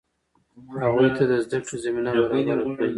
هغوی ته د زده کړې زمینه برابره کړئ.